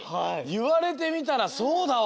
いわれてみたらそうだわ。